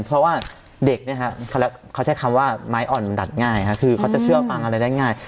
เพราะว่าเด็กเนี่ยฮะเขาใช้คำว่าไม้อ่อนดัดง่ายคือเขาจะเชื่อฟังอะไรได้ง่าย